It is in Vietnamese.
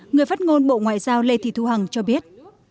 người phát ngôn bộ ngoại giao lê thị thu hằng cho biết